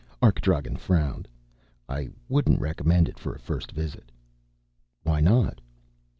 Arkdragen frowned. "I wouldn't recommend it for a first visit." "Why not?"